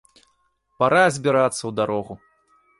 Пара збірацца ў дарогу!